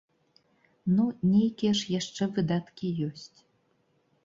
Ну, нейкія ж яшчэ выдаткі ёсць.